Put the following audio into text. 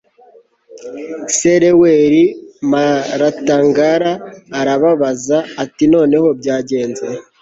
se reweli m aratangara arababaza ati noneho byagenze